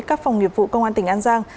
các phòng nghiệp vụ công an tp an giang